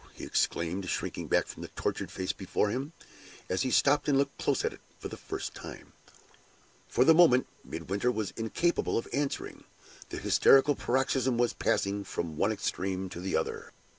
he exclaimed, shrinking back from the tortured face before him, as he stopped and looked close at it for the first time. For the moment, Midwinter was incapable of answering. The hysterical paroxysm was passing from one extreme to the other.